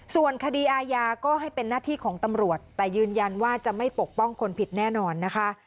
ส่วนคดีอาญาก็ให้เป็นหน้าที่ของตำรวจแต่ยืนยันว่าจะไม่ปกป้องคนผิดแน่นอนนะคะ